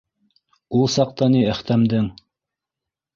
Ул саҡта ни Әхтәмдең